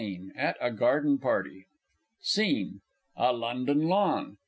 _) At a Garden Party SCENE _A London Lawn.